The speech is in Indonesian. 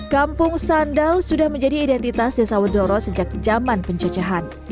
kampung sandal sudah menjadi identitas desa wedoro sejak zaman penjajahan